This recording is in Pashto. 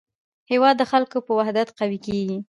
هېواد د خلکو په وحدت قوي کېږي.